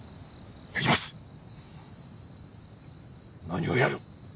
何をやる？